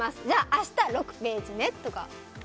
じゃあ明日６ページねとか。